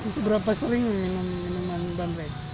seberapa sering minum minuman bandrek